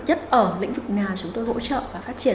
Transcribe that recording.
nhất ở lĩnh vực nào chúng tôi hỗ trợ và phát triển